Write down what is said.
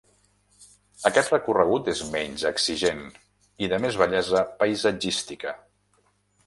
Aquest recorregut és menys exigent i de més bellesa paisatgística.